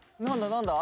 何だ？